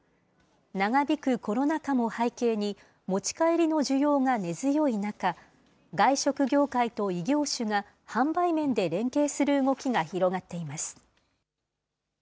長引くコロナ禍も背景に、持ち帰りの需要が根強い中、外食業界と異業種が販売面で連携する動きが広がっています。